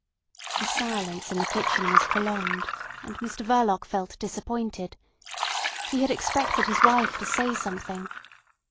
The silence in the kitchen was prolonged, and Mr Verloc felt disappointed. He had expected his wife to say something.